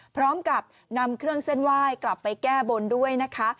พร้อมกับนำเครื่องเส้นไหว้กลับไปแก้บนด้วยนะคะ